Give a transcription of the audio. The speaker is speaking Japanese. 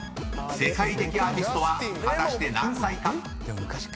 ［世界的アーティストは果たして何歳か？］